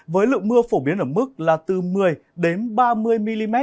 với lượng mưa phổ biến ở mức là từ một mươi ba mươi mm